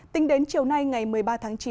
tính đến chiều nay ngày một mươi ba tháng chín